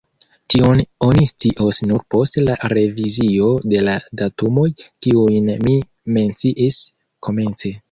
Tion oni scios nur post la revizio de la datumoj, kiujn mi menciis komence.